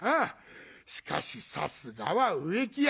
しかしさすがは植木屋。